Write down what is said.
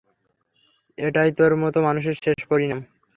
এটাই তোর মতো মানুষের শেষ পরিণাম।